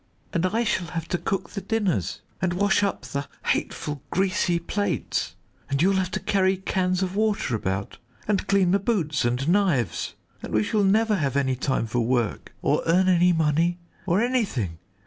And I shall have to cook the dinners, and wash up the hateful greasy plates; and you'll have to carry cans of water about, and clean the boots and knives and we shall never have any time for work, or earn any money, or anything.